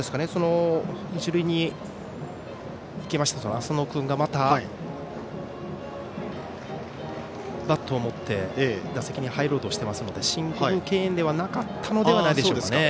一塁に行きまして浅野君がまたバットを持って打席に入ろうとしていますので申告敬遠ではなかったのではないでしょうか。